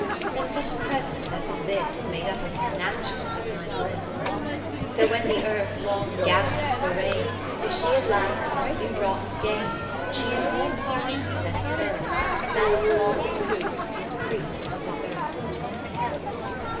Than such a presence as is this, Made up of snatches of my bliss. X So when the Earth long gasps for rain. If she at last some few drops gain, She is more parched than at first ; That small recruit increas'd the thirst.